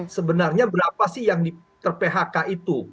sebenarnya berapa sih yang ter phk itu